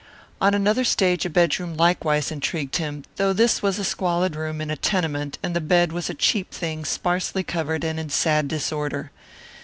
On another stage a bedroom likewise intrigued him, though this was a squalid room in a tenement and the bed was a cheap thing sparsely covered and in sad disorder.